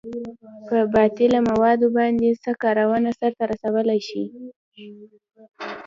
په باطله موادو باندې څه کارونه سرته رسولئ شئ؟